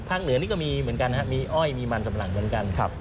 ภาคเหนือนี่ก็มีเหมือนกันนะฮะมีอ้อยมีมันสัมปะหลังเหมือนกันนะฮะ